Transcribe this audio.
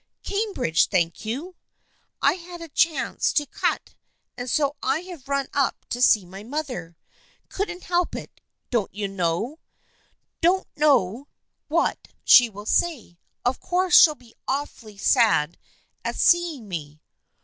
" Cambridge, thank you. I had a chance to cut, and so I have run up to see my mother. Couldn't help it, don't you know. Don't know 288 THE FKIENDSHIP OF ANNE what she will say. Of course she'll be awfully sad at seeing me."